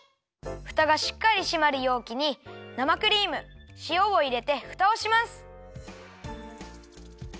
フタがしっかりしまるようきに生クリームしおをいれてフタをします。